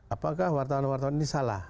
apakah wartawan wartawan ini salah